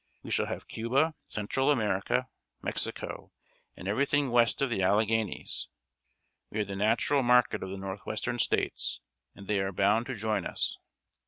We shall have Cuba, Central America, Mexico, and every thing west of the Alleghanies. We are the natural market of the northwestern States, and they are bound to join us!"